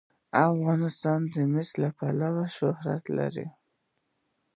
افغانستان د مس له امله شهرت لري.